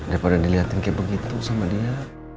daripada dilihatin kayak begitu sama dia